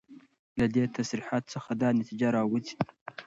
له دي تصريحاتو څخه دا نتيجه راوځي